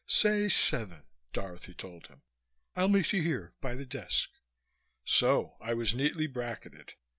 "Say seven," Dorothy told him. "I'll meet you here, by the desk." So I was neatly bracketed.